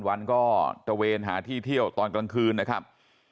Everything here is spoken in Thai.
วันก็ตระเวนหาที่เที่ยวตอนกลางคืนนะครับ